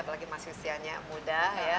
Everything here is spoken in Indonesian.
apalagi mas hustianya muda ya